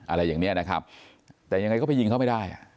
อะไรอย่างนี้นะครับแต่ยังไงก็ไปยิงเขาไม่ได้